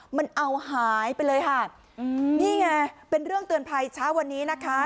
มันเอาหายไปเลยค่ะอืมนี่ไงเป็นเรื่องเตือนภัยเช้าวันนี้นะคะ